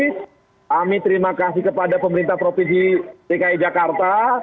kami terima kasih kepada pemerintah provinsi dki jakarta